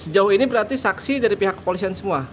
sejauh ini berarti saksi dari pihak kepolisian semua